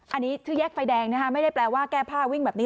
อันนี้ชื่อแยกไฟแดงนะฮะไม่ได้แปลว่าแก้ผ้าวิ่งแบบนี้